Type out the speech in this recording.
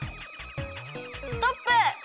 ストップ！